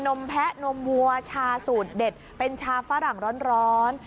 มแพะนมวัวชาสูตรเด็ดเป็นชาฝรั่งร้อน